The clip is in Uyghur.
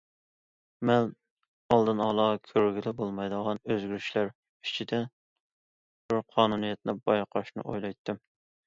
مەن ئالدىنئالا كۆرگىلى بولمايدىغان ئۆزگىرىشلەر ئىچىدىن بىر قانۇنىيەتنى بايقاشنى ئويلايتتىم.